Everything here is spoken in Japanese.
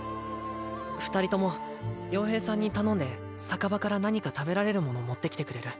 ２人とも傭兵さんに頼んで酒場から何か食べられる物持ってきてくれる？